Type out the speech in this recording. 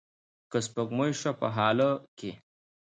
که سپوږمۍ شوه په هاله کې